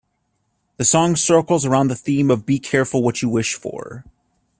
The song circles around the theme of "be careful what you wish for".